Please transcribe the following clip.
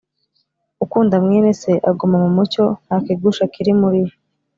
Ukunda mwene Se aguma mu mucyo, nta kigusha kiri muri we,